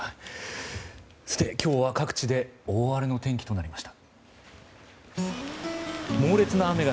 今日は各地で大荒れの天気となりました。